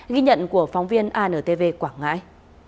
ghi nhận của phóng viên antv quảng ngãi